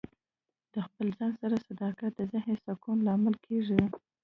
د خپل ځان سره صداقت د ذهن سکون لامل کیږي.